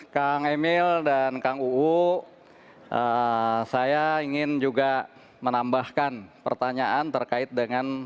kang emil dan kang uu saya ingin juga menambahkan pertanyaan terkait dengan